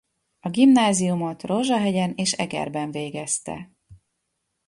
A gimnáziumot Rózsahegyen és Egerben végezte.